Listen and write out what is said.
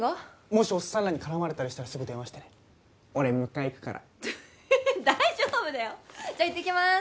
もしオッサンらに絡まれたりしたらすぐ電話してね俺迎えに行くから大丈夫だよじゃあ行ってきます